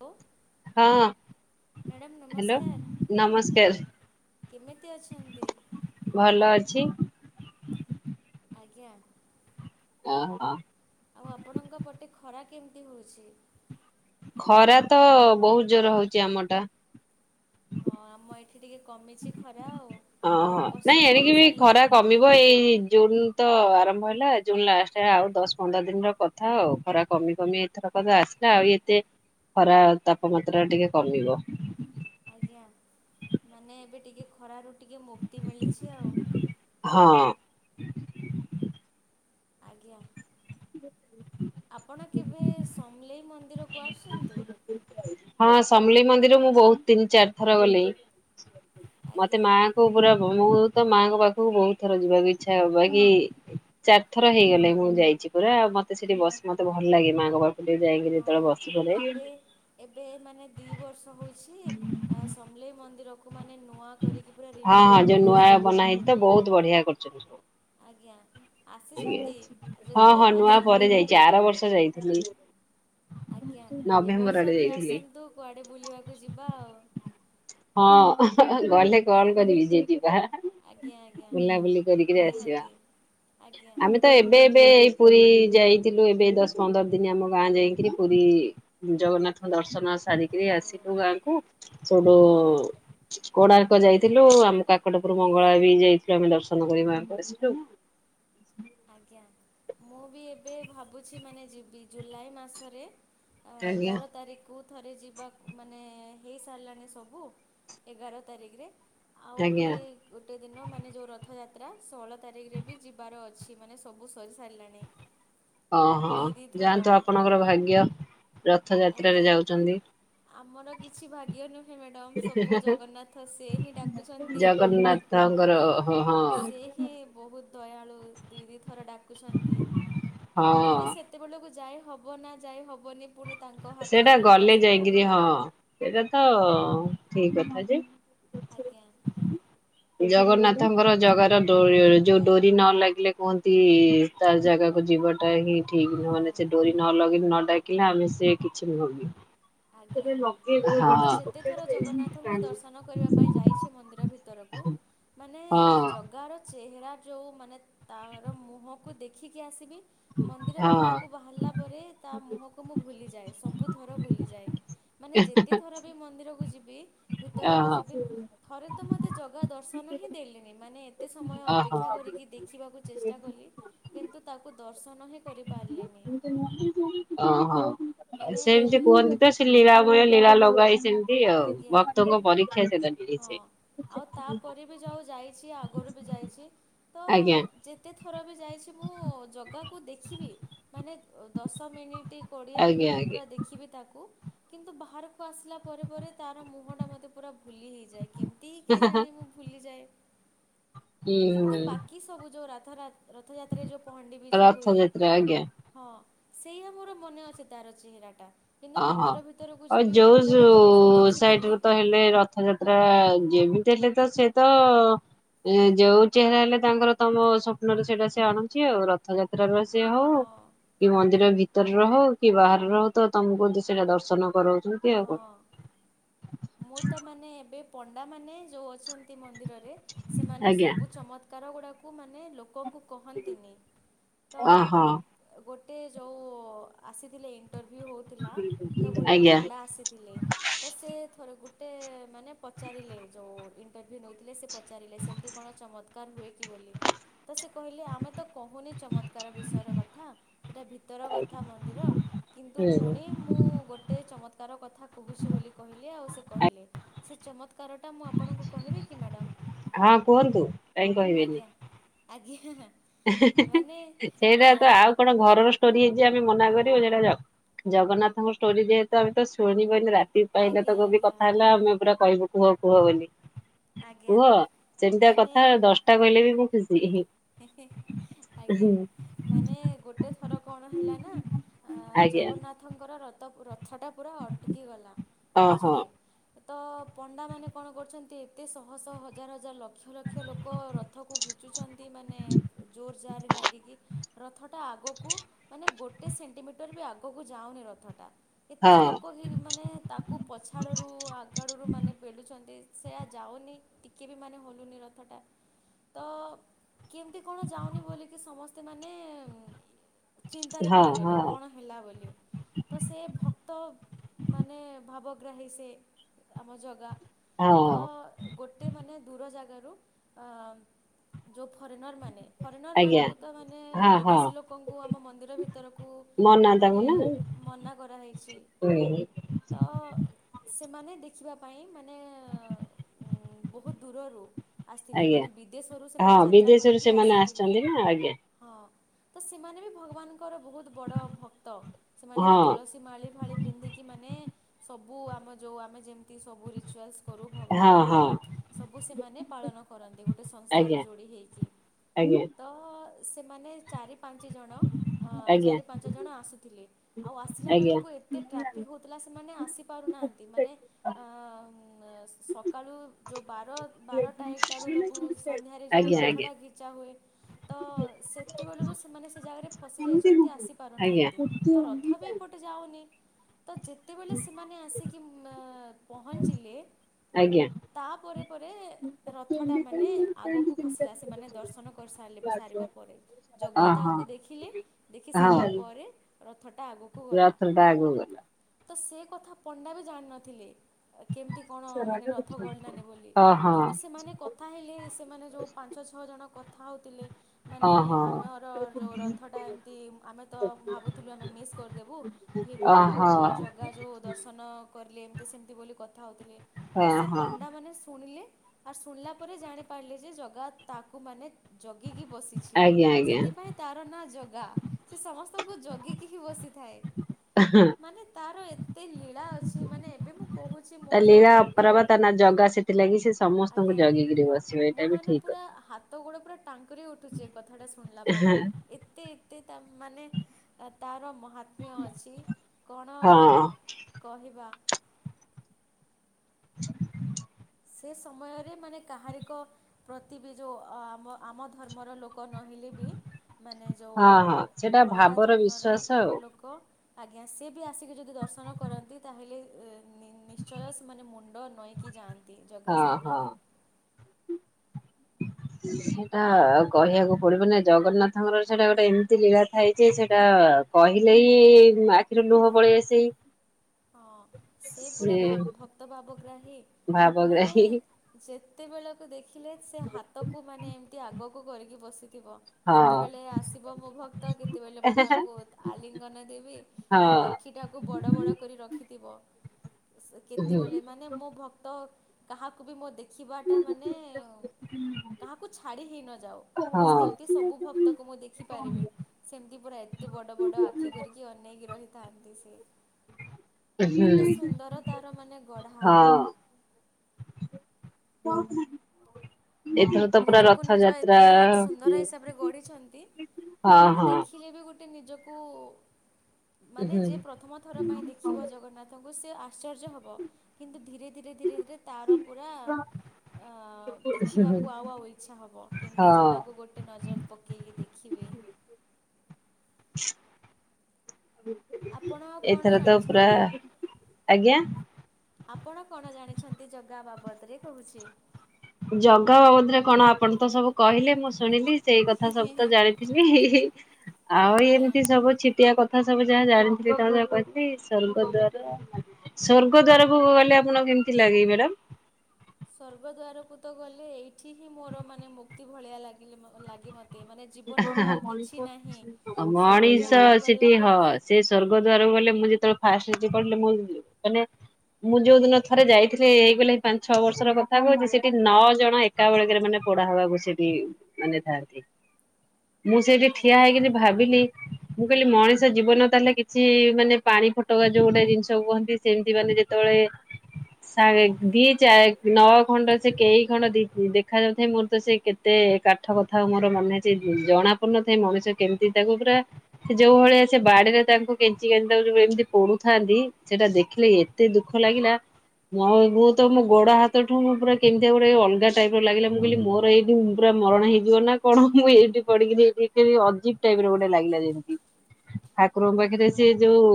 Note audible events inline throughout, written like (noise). Hello ହଁ madam hello ନମସ୍କାର କେମିତି ଅଛନ୍ତି? ନମସ୍କାର ଭଲ ଅଛି ହ (unintelligible) ଆଜ୍ଞା ଓ ହ ଆଉ ଆପଣଙ୍କ ପଟେ ଖରା କେମିତି ହଉଛି ଖରା ତ ବହୁତ ଜୋର ହଉଛି ଆମ ଟା ହଁ ଆମ ଏଇ ଏଠି ଟିକେ କମିଛି ଖରା ଆଉ ଓହୋ ନାଇଁ ପଶ୍ଚିମ ଏଣିକି ବି ଓଡ଼ିଶା ଖରା ଲୋକ କମିବ ଏଇ ଜୁନ ତ ଆରମ୍ଭ ହେଲା ଜୁନ ଲାଷ୍ଟରେ ଆଉ ଦଶ ପନ୍ଦର ଦିନର କଥା ଆଉ ଖରା କମି କମି ଏଥର କଥା ଆସିଲା ଆଉ ଏତେ ଖରା ତାପମାତ୍ରା ଟିକେ କମିବ? ଆଜ୍ଞା ମାନେ ଏବେ ଟିକେ ଖରା ରୁଟି ଟିକଏ ମୁକ୍ତି ମିଳିଛି ଆଉ ହଁ (unintelligible) ଆଜ୍ଞା ଆପଣ କେବେ ସମଲେଇ ମନ୍ଦିରକୁ ଆସିଛନ୍ତି ହଁ ସମଲି ମନ୍ଦିର ମୁଁ ବହୁତ ତିନି ଚାରି ଥର ଗଲି ମତେ ଆଜ୍ଞା ମାଙ୍କୁ ପୁରା ମୁଁ ତ ମାଙ୍କ ପାଖକୁ ବହୁତ ଥର ଯିବାକୁ ଇଚ୍ଛା ହ ବାକ ଚାରିଥର ହେଇଗଲେ ମୁଁ ଯାଇଛି ପୁରାଉ ମତେ ସେଠି ବସ୍ ମତେ ଭଲ ଲାଗେ ମାଙ୍କ ପାଖକୁ? ସେ ଟିକେ ଯାଇକିରି ହଁ ଯେତେବେଳେ ବସିପ ଏବେ ଏବେ ମାନେ ଦି ବର୍ଷ ହଉଛି ସମଲେଇ ମନ୍ଦିର ଆ ମାନେ ନୂଆ କରିକି ପୁରା ହଁ ହଁ ରିନୋଭେଟ୍ ଯୋଉ ନୂଆ କରିଦେଇଛନ୍ତି। ବନା ହେଇଛି ତ ବହୁତ ବଢିଆ କରୁଛନ୍ତି ଆଜ୍ଞା ସବୁ ଆଜ୍ଞା ଆସିଛନ୍ତି ଯଦି ହଁ ହଁ ନୂଆ ଆସିଛନ୍ତି ପରେ ଯାଇଛି ଆର ବର୍ଷ ଯାଇଥିଲି। ଆଜ୍ଞା ଏବ ନଭେମ୍ବର ଆଡେ ବର୍ଷ ବି ଯାଇଥିଲି। ଆସନ୍ତୁ କୁଆଡେ ବୁଲିବାକୁ ଯିବା ଆଉ ହଁ। ଗଲେ କଲ କରିବି ଯ ଯିବା ଆଜ୍ଞା ଆଜ୍ଞା ବୁଲାବୁଲି କରିକିରି ଆସିବା ନିହାତି ଆଜ୍ଞା ଆମେ ତ ଏବେ ଏବେ ପୁରୀ ଯାଇଥିଲୁ ଏବେ ଦଶ ପନ୍ଦର ଦିନ ଆମ ଗାଁ ଯାଇକିରି ପୁରୀ ଜଗନ୍ନାଥଙ୍କ ଦର୍ଶନ ସାରିକିରି ଓହୋ ଆସିଲୁ ଗାଁକୁ ସେଉଠୁ ମୋର କୋଣାର୍କ ଆଜ୍ଞା ଯାଇଥିଲୁ ଆମ କାକଡ ପୁର ମଙ୍ଗଳା ବି ଯାଇଥିଲୁ ଆମେ ଦର୍ଶନ କରିକି ମା ଙ୍କୁ ଆସିଲୁ। ଆଜ୍ଞା ମୁଁ ବି ଏବେ ଭାବୁଛି ମାନେ ଯିବି, ଜୁଲାଇ ମାସରେ ଆ ଆଜ୍ଞା ଏଗାର ତାରିଖକୁ ଥରେ ଯିବା ମାନେ ହେଇସାରିଲାଣି ସବୁ ଏଗାର ତାରିଖରେ। ଆଉ ଆଜ୍ଞା ବି-ଇ ଗୋଟେ ଦିନ ମାନେ ଯୋଉ ରଥଯା ଯାତ୍ରା ଷୋଳ ତାରିଖରେ ବି ଯିବାର ଅ ଛି ମାନେ ସବୁ ସରି ସାରିଲାଣି। ଅଁ ହଁ, ଦି ଦି ଥର ଯାଆନ୍ତୁ ଆପଣଙ୍କର ଭାଗ୍ୟ। ରଥଯାତ୍ରାରେ ଆଜ୍ଞା, ଯାଉଛନ୍ତି ଆମର କିଛି ଭାଗ୍ୟ ନୁହେଁ ମ୍ୟାଡ଼ାମ ସବୁ ଜଗନ୍ନାଥ, ସେ ହିଁ ଡାକୁଛନ୍ତି ଜଗନ୍ନାଥଙ୍କର ଆଜ୍ଞା, ହଁ ହଁ। ସେ ହିଁ ବୋହୁତ ଦୟାଳୁ ଦି ଦିଥର ଡାକୁଛନ୍ତି ପୁଣି ହଁ ସେତେବେଳକୁ ଯାଏ ହବ ନା ଯାଇ ହବନି ପୁଣି ସେଇଟା ହାତରେ ରହିଲା ଗଲେ ସେଇଟା ଯାଇକିରି ହଁ, ସେଇଟା ତ ଅ ଠିକ୍ କଥା ଯେ ଆଜ୍ଞା। ଜଗନ୍ନାଥଙ୍କର ଜାଗାର-ଡୋ-ଯୋଉ ଡୋରି ନ ଲାଗିଲେ କୁହନ୍ତି ତା ଜାଗାକୁ ଯିବାଟା ହିଁ ଠିକ୍ ରେ ହଁ। ମାନେ ସେ ଡୋରି ନ ଲଗି ନ ଡାକିଲା ଆମେ ସେ କିଛି ନୁହଁ ବି ଆଜ୍ଞା ହଁ ମୁଁ ତ ଯେତେ ଥର ଜଗନ୍ନାଥଙ୍କୁ ଦର୍ଶନ କରିବା ପାଇଁ ଯାଇଛି ମନ୍ଦିର ଭିତର କୁ ମାନେ ଜଗାର ଚେହେରା ଜୋଉଁ ମାନେ ତାଆର ମୁହଁକୁ ଦେଖିକି ଆସିବି ମନ୍ଦିର ହଁ ବାହାରକୁ ବାହାରିଲା ପରେ ତା ମୁହଁକୁ ମୁଁ ଭୁଲିଯାଏ ସବୁ ସବୁଥର ଭୁଲି ଯାଏ ମାନେ ଯେତେ ଥର ବି ମନ୍ଦିରକୁ ଯି ବି ଭିତରକୁ ଅହ ଯିବି ଥରେ ମତେ ଜଗା ଦର୍ଶନ ହିଁ ଦେଲେନି ମାନେ କେତେ ସମୟ ଅହ। ଅପେକ୍ଷା କରିକି ଦେଖିବାକୁ ଚେଷ୍ଟା କଲି, କିନ୍ତୁ ତାକୁ ଦର୍ଶନ ହିଁ କରିପାରିଲିନି। (unintelligible) ଅ ହଁ ମାନେ ସେମିତି କୁହନ୍ତି ତ, ସେ ଲୀଳାମୟ ଲୀଳା ଲଗ ବାଇସି ସେଇ ଆଉ, ଆଜ୍ଞା ଭକ୍ତଙ୍କ ପରୀକ୍ଷା ସେଟା ନେଇଛେ ହଁ ଆଉ ତାପରେ ବି ଯୋଉ ଯାଇଛି ଆଗରୁ ବି ଯାଇଛି। ତ ଆଜ୍ଞା ଯେତେ ଥର ବି ଯାଇଛି ମୁଁ ଜଗାକୁ ଦେଖିବି ମାନେ ଦଶ ମିନିଟ୍ କୋଡ଼ିଏ ଆଜ୍ଞା ମିନିଟ୍ ଆଜ୍ଞା ପୁରା ଦେଖିବି ତାକୁ କିନ୍ତୁ ବାହାରକୁ ଆସିଲା ପରେ ପରେ ତାର ମୁହଁଟା ମୋତେ ପୁରା ଭୁଲି ହେଇଯାଏ କେମିତି କିଏ ଜାଣେ ମୁଁ ଭୁଲିଯାଏ। ହୁଁ ହୁଁ କିନ୍ତୁ ବାକି ସବୁ ଯୋଉ ରାତି ଘଥର ରଥଯାତ୍ରାରେ ଯେଉଁ ପହଣ୍ଡି ବି ଯେ ହୁଏ ରଥଯାତ୍ରା ଆଜ୍ଞା ହଁ ସେଇଆ ମୋର ମନେ ଅଛି ତାର ଚେହେରାଟା କିନ୍ତୁ ମନ୍ଦିର ଭିତରକୁ ଯିବି ମନ୍ଦିର ଭିତ ତ ସେଇଠ ର ତ ହେଲେ ରଥଯାତ୍ରା ଯିଏ ବି ଦେଲେ ତ ସେ ତ ଯୋଉ ଚେହେରା ହେଲେ ତାଙ୍କର ତମ ସ୍ୱପ୍ନରେ ସେଇଟା ସେ ଆଣୁଛି ଆଉ ରଥଯାତ୍ରାରେ ସେ ହଁ ହଉ କି ମନ୍ଦିର ଭିତ ଭ ର କି ବାହାରେ ରହ ତ ତମେ କୁହନ୍ତି ସେଇଟା ଦର୍ଶନ କର ଯତ ଆକଣ। ହଁ ମୁଁ ତ ମାନେ ଏବେ ପଣ୍ଡାମାନୋନ ଯେଉଁ ଅଛନ୍ତି ମନ୍ଦିରରେ ସେମାନେ ଆଜ୍ଞା ସବୁ ଚମକାର ଗୁଡା ମାନେ ଲ ଲୋକଙ୍କୁ କହନ୍ତିନି ତ ଅ ହଁ ଗୋ ଗୋଟେ ଯଉଁ ଆସିଥିଲେ ଇଣ୍ଟରଭ୍ୟୁ ହେଉଥିଲା ତ ଗୋଟେ ଆଜ୍ଞା। ପଣ୍ଡା ଆସିଥିଲେ ତ ସେ ଥରେ ଗୋଟେ ମାନେ ପଚାରିଲେ ଯୋଉ ନଉଥିଲେ ସେ କଣ ଚ ହୁ କହିଲ ଆମେ ଚ ବିଷଟା ଭ କଥା ମନ୍ଦି କିନ୍ତୁ ହୁଁ ପୁ ମୁ ଗୋଟ ଚ- ସେ କହିଲେ ସେ ଚମକାରଟା ମୁଁ ଆପଣଙ୍କୁ କହିବି କି ମ୍ୟାଡ଼ ହଁ କୁହନ୍ତୁ କାଇଁ କହିବେନି (unintelligible) ମାନେ ସେଇଟା ତ ଆଉ କଣ ଘରର ଷ୍ଟୋରି ହେଇଛି ଆମେ ମନା କରି ଟା ଜଗନ୍ନାଥଙ୍କ ଷ୍ଟୋରି ଯେହେତୁମେ ତ ଶୁଣଣି କହିଲେ ରା ପାଇଁ ଆଜ୍ଞା ତ ବି ଆଜ୍ଞା କଥା ହେଲା ଆମେ ପୁରା କହିବୁ କୁହ କୁହ ବୋଲି ଆଜ୍ଞା କୁହ ସେମିତି ମାନେ କଥା ଦଶଟା କହିଲେ ବି ମୁଁ ଖୁସି ହ ହଁ ଆଜ୍ଞା ମାନେ ଗୋଟେ ଥର କଣ ହେଲା ନା ଆଜ୍ଞା ଜଗନ୍ନାଥଙ୍କର ରଥ ତ ର ଅଥଟା ପୁରା ଅଟକିଗଲା ଓହୋ ମଝିରେ ତ ପଣ୍ଡାମାନେ କଣ କରୁଛନ୍ତି ଏତେ ଶହ ଶହ ହଜାର ହଜାର ଲକ୍ଷ ଲକ୍ଷ ଲୋକ ରଥକୁ ଘିଚୁଛନ୍ତି ଏ ମାନେ ଜୋର ଜାର ଲାଗିକି ରଥଟା ଆଗକୁ ମାନେ ଗୋଟେ ସେଣ୍ଟିମିଟର ବି ଆଗକୁ ଯାଉନି ରଥଟା ଏତେ ହଁ ଲୋକ ହ ମାନେ ତାକୁ ପଛାଡରୁ ଆଗଡରୁ ମାନେ ପେଳୁଛନ୍ତି ସେଆ ଯାଉନି ଟିକେ ବି ମାନେ ହଲୁନି ରଥଟା ତ କେମିତି କଣ ଯାଉନି ବୋଲିକି ସମସ୍ତେ ମାନେ ଚିନ୍ତାରେ ହଁ ପଡ଼ିଗଲେ ହଁ କଣ ହେଲା ବୋଲି ତ ସେ ଭକ୍ତ ମାନେ ଭାବ ଅଗ୍ରା ହେ ସେ ଆମ ଜଗା ତ ହଁ ଗୋଟେ ମାନେ ଦୂର ଜାଗା (unintelligible) ଯେଉଁ ଫରେନର୍ ମାନେ ଫରେନର ଆଜ୍ଞା ମାନଙ୍କୁ ତ ମାନେ ହଁ ହଁ ବିଦେଶୀ ଲୋକଙ୍କୁ ଆମ ମନ୍ଦିର ଭିତରକୁ ମୋ ନା ତାଙ୍କୁ ମାନେ ନା ମନା କରାହୋଇଛି ତ ମାନେ ଦେଖିବା ପାଇଁ ମାନେ (unintelligible) ବହୁତ ଦୂରରୁ ଆସିଥିଲେ ଆଜ୍ଞା ମାନେ ବିଦେଶରୁ ସେମାନେ ହଁ ଯାତ୍ରା ବିଦେଶରୁ କରିକି ସେମାନେ ଆସିଥିଲେ ଆସିଛନ୍ତି ନା ଆଜ୍ଞା ହଁ ତ ସେମାନେ ବି ଭଗବାନଙ୍କୁ ଙ୍କର ବହୁତ ବଡ ଭକ୍ତ ସେମାନେ ବି ହଁ ତୁଳସୀ ମାଳି ଫାଳି ପିନ୍ଧିକି ମାନେ ସବୁ ଆମ ଯେଉଁ ଆମେ ଯେ ସବୁ ରିଚୁଆଲ କରୁ ହଁ ହଁ ଭଗବାନଙ୍କର ସବୁ ସେମାନେ ପାଳନ କରନ୍ତି ଗୋଟେ ସଂ ଆଜ୍ଞା ଯୋଡି ହେଇଛି ଆଜ୍ଞା ତ ସେମାନେ ଚାରି ପାଞ୍ଚ ଜଣ। ଅ ଆଜ୍ଞା ଚାରି ପାଞ୍ଚ ଜଣ ଆସୁଥିଲେ ଆଉ ଆସିଲା ଆଜ୍ଞା ବେଳକୁ ଏତେ ଟ୍ରାଫିକ ହଉଥିଲା ସେମାନେ ବୁଝି ପାରୁନାହାନ୍ତି ଆଁ ସେ ସକାଳୁ ଯୋଗ ବାର ଆଜ୍ଞା ବାରଟା ଏକଟା ବେଳକୁ ସନ୍ଧ୍ୟାରେ ଯଉ ଆଜ୍ଞା ରଥଡ଼ା ଘୁଚା ହୁଏ। ତ ସେତେବେଳରୁ ସେମାନେ ସେ ଜାଗାରେ ଫସିଯାଇଛନ୍ତି ଆଜ୍ଞା ଆସିପାରୁନାହାଁନ୍ତି। ତ ରଥ ବି ଏପଟେ ଯାଉନି। ତ ଯେତେବେଳେ ସେମାନେ ଆସିକି ପହଞ୍ଚିଲେ ଆଜ୍ଞା। ତାପରେ ପରେ ରଥଟା ମାନେ ଆଗକୁ ସେମାନେ ଦର୍ଶନ ସାର ପରେ ଜଗା ଓହୋ ତାଙ୍କୁ ଦେଖିଲେ ଦେଖି ହଁ ହଁ ସରିବା ପରେ ରଥଟା ଆଗକୁ ଗଲା। ରଥର ଟା ଆଗକୁ ଗଲା ତ ସେ କଥା ପଣ୍ଡା ବି ଜାଣିନଥିଲେ କେମିତି କଣ ମାନେ ରଥ ଗଳିଲାନି ବୋଲି ଓହୋ କିନ୍ତୁ ସେମାନେ କଥା ହେଲେ ସେମାନେ ଯୋଉ ଛଅ ଜଣ କଥା ହେଉଥିଲେ ମାନେ ଓହୋ। ଆମର ଯୋଉ ରଥ ଟା ଏମିତି ଆମେତ ଭାବୁଥିଲୁ ମିସ କରିଦବୁ ଫିରବି ଓହୋ ଆମକୁ ହଁ ଅ ହଁ ହଁ ଜଗା ଯୋଉ ଦ ନ କଲେ ଏମିତି ସେମିତି ବୋଲି କଥା ହଉଥିଲେ। ତ ସେ ହଁ ପଣ୍ଡା ମାନେ ଶୁଣିଲେ ଆର୍ ଶୁଣିଲା ପରେ ଜାଣିପାରିଲି ଯେ ଜ ଗା ତାକୁ ମାନେ ଜଗିକି ବସିଛି ଆଜ୍ଞା ଆଜ୍ଞା ସେଥିପାଇଁ ତାର ନାଁ ଜ ଗା ସେ ସମସ୍ତଙ୍କୁ ଜଗିକି ହିଁ ବସିଥାଏ। ହଁ। ମାନେ ତାର ଏ ଏ ଲୀଳା ଅଛି ମାନେ ଏବେ ମୁଁ ମୋ ତା ଯୋଉ ଲିଗା ହାତ ଅପରାବା ତା ନା ଜଗା ସେଥିଲାଗି ସେ ସମସ୍ତଙ୍କୁ ଆଜ୍ଞା ଜଗିକିରି ବସିବ ମୋ ଏଇଟା ବି ମାନେ ଠିକ। ପୁରା ହାତ ଗୋଡ ପୁରା ଟାଙ୍କରି ଉଠୁଛି କଥାଟା ଶୁଣିଲା ପରେ ହଁ ଏତେ ମାନେ ତାର ଭାବିୟ ଅଛି କଣ କହିବା। (unintelligible) ସେ ସମୟରେ ମାନେ କାହାରିିକ ପ୍ରତି ବି ଯେଉଁ ଆମ ଆମ ଧର୍ମର ଲୋ ଲୋକ ନହଲେ ବି ମାନେ ଯେଉଁ ହଁ ହଁ ସେଇଟା ଅଲଗା ଭାବର ଧର୍ମର ବିଶ୍ଵାସ ଆଉ ଲୋକ ଆଜ୍ଞା ସେ ବି ଆସିକି ଯଦି ଦର୍ଶନ କରନ୍ତି ତାହେଲେ ନିଶ୍ଚୟ ସେମାନେ ମୁଣ୍ଡ ନେଇକି ଯା ଜଗା ହଁ ହଁ। ସାମ୍ନାରେ ସେଇଟା କହିବାକୁ ପଡିବ ନା ଜଗନ୍ନାଥଙ୍କର ସେଟା ଗୋଟେ ଏମିତି ଲୀଳା ଥାଇ ଯେ ସେଟା କହିଲେ ହି ଆଖିରୁ ଲୁହ ପଳେଇ ଆସେ ହଁ ସେ ପୁରା ଭକ୍ତ ଭାବଗ୍ରାହୀ ମାନେ ଭାବଗ୍ରାହୀ ଯେ କେତେବେଳକୁ ଦେଖି ଥିଲେ ସେ ହାତକୁ ମାନେ ଏମିତି ଆଗ ସବୁ କରିକି ବସିି ଥିବ ହଁ କେତେବେଳେ ଆସିବ ମୋ ଭକ୍ତ କେତେବେଳେ ମୁଁ ତାଙ୍କୁ ଆଲିଙ୍ଗନ ଦେବି ଆଉ ହଁ ଆଖିଟାକୁ ବଡ଼ ବଡ଼ ରଖିଥିବ। ହୁଁ କେତେବେଳେ ମାନେ ମୋ ଭକ୍ତ କାହାକୁ ବି ମୁଁ ଦେ ଦେଖିବା ଟା ମାନେ କାହାକୁ ଛାଡି ହେଇ ନଯାଉ ମୁଁ ହଁ କେମିତି ସବୁ ଭକ୍ତକୁ ମୁଁ ଦେଖି ପାରିବି ସେମିତି ପୁରା ଏତେ ବଡ ବଡ ଆଖି କରିକି ଅନେଇକି ରହି ଆନ୍ତି ସିଏ। କେତେ ହୁଁ। ସୁନ୍ଦର ତାର ମାନେ ଗଢା ହଁ (unintelligible) ତ ପୁରା ନିଜକୁ ନିଜ ରଥଯାତ୍ରା ଏତେ ସୁନ୍ଦର ହିସାବରେ ଗଢିଛନ୍ତି ହଁ ମାନେ ହଁ। ଦେଖିଲେ ବି ଗୋ ଟେ ନିଜକୁ ମାନେ ହୁଁ ଯିଏ ପ୍ରଥମ ଥର ପାଇଁ ଦେଖିବ ଜଗନ୍ନାଥ ବୁସି ଆ ଆଶ୍ଚର୍ଯ୍ୟ ହବ କିନ୍ତୁ ଧୀରେ ଧୀରେ ଧୀରେ ଧୀରେ ତାର ପୁରା ହୁଁ ଦେଖିବାକୁ ଆ ଆଉ ଆଉ ଇଚ୍ଛା ହେବ କେମିତି ହଁ ଜାଗାକୁ ଗୋଟେ ନଜର ପକେଇକି ଦେଖିବି। ଆପଣ କଣ ଏଥର ତ ପୁରା ଜାଣିଛନ୍ତି ଆଜ୍ଞା ଆପଣ କଣ ଜାଣିଛନ୍ତି ଜଗା ବାବ ବାବଦରେ କୋହୁଛି। ଜଗା ବାବଦରେ କଣ ଆପଣ ତ ସବୁ କହିଲେ ମୁଁ ଶୁଣିଲି। ସେଇ କଥା ହିଁ ହିଁ ସବୁ ତ ହିଁ ଜାଣିଥିବି ଆଉ ଆଜ୍ଞା ଏମିତି ସବୁ ଛିଟିଆ କ କଥା ସବୁ ଯାହା ଜାଣିଥିଲି ତାଙ୍କୁ ଯାହା କହିଥିଲି ସ୍ୱର୍ଗଦୁଆର ସ୍ୱର୍ଗଦୁଆରକୁ ଗଲେ ଆପଣଙ୍କୁ କେମିତି ଲାଗେ ମ୍ୟାଡାମ୍। ସ୍ୱର୍ଗଦ୍ୱାରକୁ ତ ଗଲେ ଏଇଠି ହିଁ ମୋର ମାନେ ମୁକ୍ତି ଭଳିଆ ଲାଗିଲେ ଲାଗେ ମତେ। ମଣିଷ ସ୍ୱର୍ଗଦ୍ୱାରକୁ ଗଲା ସେଠି ହ ପରେ ସେ ସ୍ଵର୍ଗଦ୍ଵାର ଗଲେ ମୁଁ ଯେତେବେଳେ ଫାଷ୍ଟ ଯିଏ କହିଲେ ମୁଁ ମାନେ ମୁଁ ଯୋଉ ଦିନ ଥରେ ଯାଇଥିଲି ହେଇଗଲାଣି ପାଞ୍ଚ ଛଅ ବର୍ଷର କଥା କୋହୁଛ ସେଠି ନଅ ଜଣ ଏକା ବେଳକରେ ମାନେ ପୋଡ଼ା ହବାକୁ ସେଠି ମାନେ ଥାଆନ୍ତି। ମୁଁ ସେଇଠି ଠିଆ ଆଜ୍ଞା ହେଇକିନି ଭାବିଲି। ମୁଁ କହିଲି ମଣିଷ ଜୀବନ ତାହେଲେ କିଛି ମାନେ ପାଣି ଫଟକା ଯୋଉ ଗୋଟେ ଜିନିଷ କୁହନ୍ତି ସେମତି ମାନେ ଯେତେବେଳେ ସାଢେ ଦି ଚାଏ ନଅ ଖଣ୍ଡ ସେ କେଇ ଖଣ୍ଡ ଦି ଦେଖାଯାଉଥାଏ ମୋର ତ ସେ କେତେ କାଠ କଥାଆ ଉ ମୋର ମନେ ସେ ଜଣା ପଡୁନଥାଏ ମଣିଷ କେମିତି ତାକୁ ପୁରା ସେ ଯୋଉ ଭଳିଆ ସେ ବାଡିରେ ତାଙ୍କୁ କେଞ୍ଚି କେଞ୍ଚ ତକୁ ଯୋଉ ଏମିତି ପୋଡୁଥାନ୍ତି ସେଟା ଦେଖିଲେ ଏତେ ଦୁଃଖ ଲାଗିଲା ମୋ ମୁ ତ ମୋ ଗୋଡ ହାତଠୁ ପୁରା କେମିତି ଗୋଟେ ଅଲଗା ଟାଇପ ର ଲାଗିଲା ମୁଁ କହିଲି ମୋର ଏଇଠି ପୁରା ମରଣ ହେଇଯିବ ନା କଣ। ମୁଁ ଏଇଠି ପଡିକି ଯେମିତି ଅଜିବ ଟାଇପ ଗୋଟେ ଲାଗିଲା ଯେମତି ଠାକୁରଙ୍କ ପାଖରେ ଓହୋ ସିଏ ଯୋଉ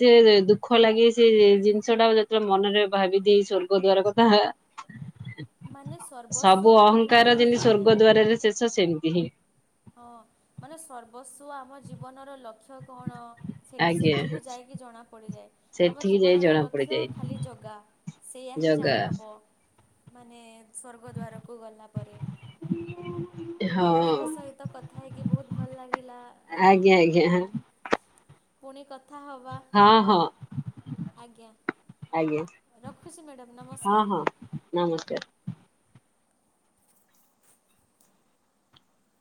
ସେ ଦୁଃଖ ଲାଗେ ସେ ଜିନିଷ ଟା ଯେତେବେଳେ ମନରେ ଭାବିଦିଏ ସ୍ୱର୍ଗଦ୍ୱାର କଥା। ମାନେ ସବୁ ସର୍ବସ୍ୱ ପୁରା ଅହଂଙ୍କାର ଭୁଲି ଯେମିତି ହେଇଯାଏ ସ୍ୱର୍ଗଦ୍ୱାରରେ ସେ ଏମିତି ହିଁ। ହଁ ମାନେ ସର୍ବସ୍ୱ ଆମର ଜୀବନ। ଲକ୍ଷ୍ୟ କଣ ଆଜ୍ଞା ସେଠିକୁ ଯାଇକି ଜଣାପଡିଯାଏ। ଆମ ସେଠିକି ଯାଇ ଜୀବନର ଜଣା ଲକ୍ଷ୍ୟ ପଡିଯାଏ ଖାଲି ଜଗା ସେଇଆ ହିଁ ଜଗା ଜାଣିହବ ମାନେ (unintelligible) ସ୍ୱର୍ଗଦ୍ୱାରକୁ ଗଲା ପରେ ହଁ ଆପଣଙ୍କ ସହିତ କଥା ହେଇକି ବହୁତ ଭଲ ଲାଗିଲା ଆଜ୍ଞା ପୁଣି କ ହଁ ହଁ ଆଜ୍ଞା ଆଜ୍ଞା। ରଖୁଛି ମ୍ୟାଡ଼ାମ୍ ହଁ ନମସ୍କାର। ହଁ ନମସ୍କାର।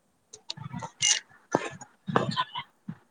(unintelligible)